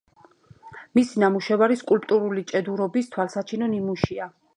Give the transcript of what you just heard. მისი ნამუშევარი სკულპტურული ჭედურობის თვალსაჩინო ნიმუშია.